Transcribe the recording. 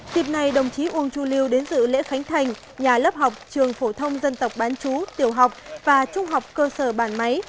tiếp này đồng chí uông chu lưu đến dự lễ khánh thành nhà lớp học trường phổ thông dân tộc bán chú tiểu học và trung học cơ sở bản máy